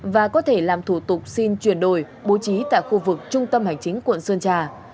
và có thể làm thủ tục xin chuyển đổi bố trí tại khu vực trung tâm hành chính quận sơn trà